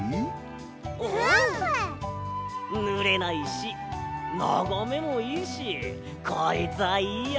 ぬれないしながめもいいしこいつはいいや。